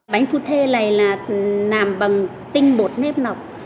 bánh phu thê này là nằm bằng tinh bột nếp nọc